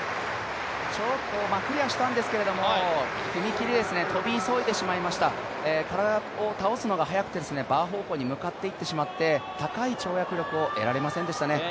クリアしたんですけれども踏み切り、跳び急いでしまいました体を倒すのが早くてバー方向に向かっていってしまって高い跳躍力を得られませんでしたね。